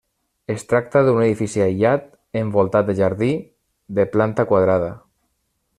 Es tracta d'un edifici aïllat, envoltat de jardí, de planta quadrada.